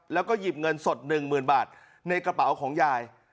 แล้วก็หยิบเงินสด๑๐๐๐บาทในกระเป๋าของยาย